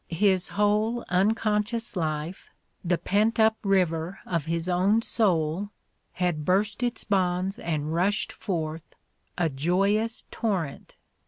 His whole uncon scious life, the pent up river of his own soul, had burst its bonds and rushed forth, a joyous torrent!